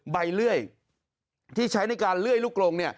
เลื่อยที่ใช้ในการเลื่อยลูกลง